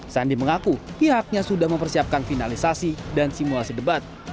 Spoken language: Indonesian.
sandi mengaku pihaknya sudah mempersiapkan finalisasi dan simulasi debat